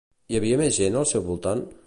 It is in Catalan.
Hi havia més gent al seu voltant?